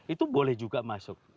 itu boleh juga masuk